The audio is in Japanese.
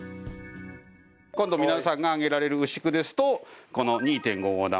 今度皆さんがあげられる牛久ですとこの２．５号玉。